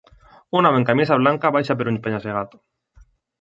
Un home amb camisa blanca baixa per un penya-segat.